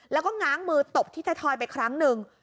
แล้วก็ง้างมือตบที่ไทยทอยไปครั้งหนึ่ง